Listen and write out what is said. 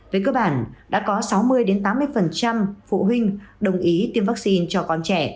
về cơ bản đã có sáu mươi tám mươi phụ huynh đồng ý tiêm vaccine cho con trẻ